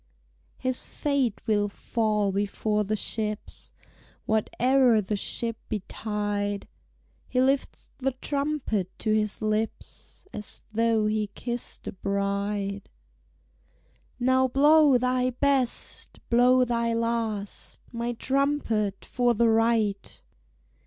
His fate will fall before the ship's, Whate'er the ship betide; He lifts the trumpet to his lips As though he kissed a bride. "Now blow thy best, blow thy last, My trumpet, for the Right!"